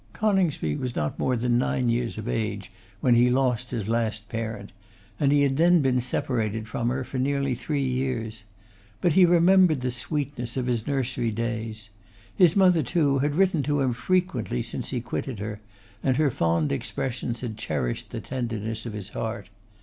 Coningsby was not more than nine years of age when he lost his last parent; and he had then been separated from her for nearly three years. But he remembered the sweetness of his nursery days. His mother, too, had written to him frequently since he quitted her, and her fond expressions had cherished the tenderness of his heart.